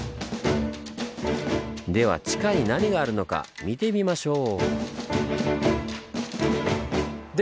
では地下に何があるのか見てみましょう！